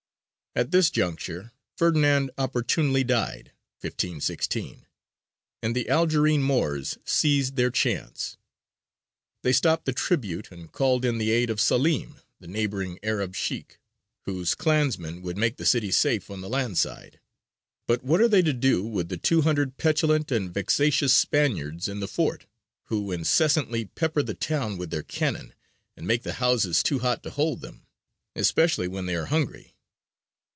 At this juncture Ferdinand opportunely died (1516), and the Algerine Moors seized their chance. They stopped the tribute, and called in the aid of Salim, the neighbouring Arab sheykh, whose clansmen would make the city safe on the land side. "But what are they to do with the two hundred petulant and vexatious Spaniards in the fort, who incessantly pepper the town with their cannon, and make the houses too hot to hold them; especially when they are hungry?